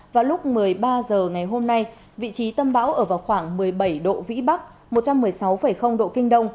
vào lúc một mươi ba h ngày hôm nay vị trí tâm bão ở vào khoảng một mươi bảy độ vĩ bắc một trăm một mươi sáu độ kinh đông